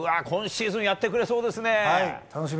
今シーズンやってくれそうですね。